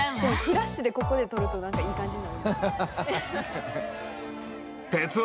フラッシュでここで撮ると何かいい感じに。